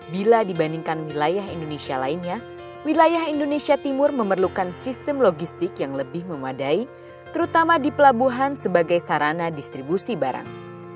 bila dibandingkan wilayah indonesia lainnya wilayah indonesia timur memerlukan sistem logistik yang lebih memadai terutama di pelabuhan sebagai sarana distribusi barang